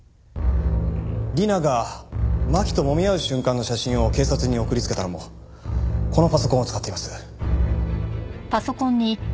理奈が真輝ともみ合う瞬間の写真を警察に送りつけたのもこのパソコンを使っています。